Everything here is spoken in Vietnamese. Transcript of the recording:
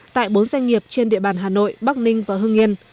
tại bốn doanh nghiệp trên địa bàn hà nội bắc ninh và hưng yên